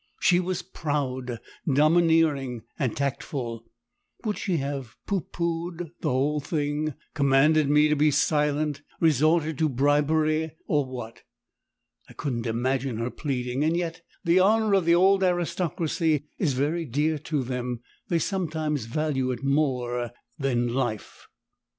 She was proud, domineering and tactful; would she have "pooh poohed!" the whole thing; commanded me to be silent; resorted to bribery, or what? I couldn't imagine her pleading and yet the Honour of the Old Aristocracy is very dear to them; they sometimes value it more than life.